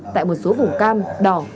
tại một số vùng cam đỏ